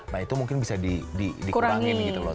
nah itu mungkin bisa dikurangin gitu loh